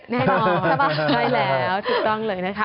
แน่นอนใช่ป่ะใช่แล้วถูกต้องเลยนะคะ